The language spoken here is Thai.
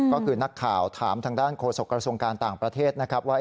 ก็คือนักข่าวถามทางด้านโฆษกระทรวงการต่างประเทศนะครับว่า